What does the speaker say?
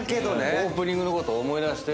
オープニングのこと思い出して。